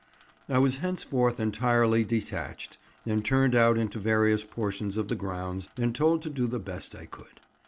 I was henceforth entirely detached, and turned out into various portions of the grounds, and told to do the best I could.